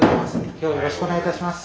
今日はよろしくお願いいたします。